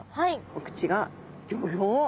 お口がギョギョ！